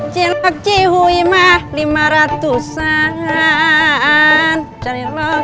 cilok cilok lima ratusan